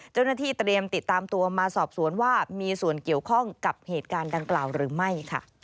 เจ้าหน้าที่เตรียมติดตามตัวมาสอบสวนว่ามีส่วนเกี่ยวข้องกับเหตุการณ์ดังกล่าวหรือไม่